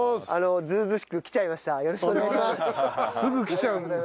よろしくお願いします。